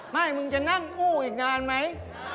ไม่มึงจะนั่งกู้อีกนานไหม